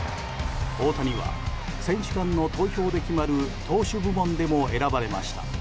大谷は選手間の投票で決まる投手部門でも選ばれました。